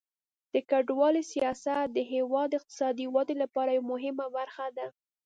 د کډوالۍ سیاست د هیواد د اقتصادي ودې لپاره یوه مهمه برخه ده.